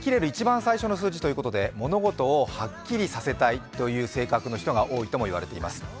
いちばん最初の数字ということで物事をはっきりさせたい性格の人が多いといわれています。